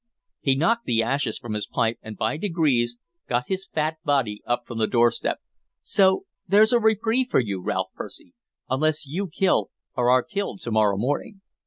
He knocked the ashes from his pipe, and by degrees got his fat body up from the doorstep. "So there's a reprieve for you, Ralph Percy, unless you kill or are killed to morrow morning.